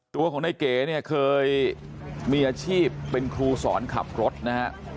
ตัวของนายเก๋เนี่ยเคยมีอาชีพเป็นครูสอนขับรถนะฮะ